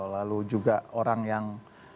lalu juga orang yang